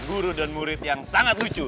guru dan murid yang sangat lucu